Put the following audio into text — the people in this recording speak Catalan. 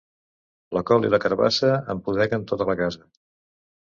La col i la carabassa empudeguen tota la casa.